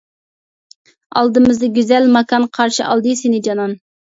ئالدىمىزدا گۈزەل ماكان، قارشى ئالدى سېنى جانان.